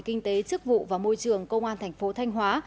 kinh tế chức vụ và môi trường công an thành phố thanh hóa